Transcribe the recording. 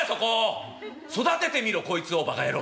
育ててみろこいつをバカ野郎ほんとに。